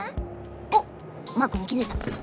おっマークにきづいた。